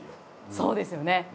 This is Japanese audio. そうですよね。